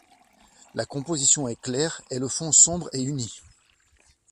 La composition est claire et le fond sombre et uni.